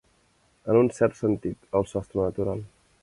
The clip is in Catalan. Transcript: En un cert sentit, el sostre natural.